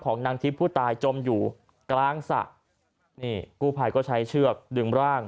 นางทิพย์ผู้ตายจมอยู่กลางสระนี่กู้ภัยก็ใช้เชือกดึงร่าง